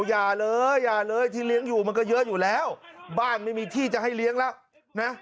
อย่าเลยอย่าเลยที่เลี้ยงอยู่มันก็เยอะอยู่แล้วบ้านไม่มีที่จะให้เลี้ยงแล้วนะ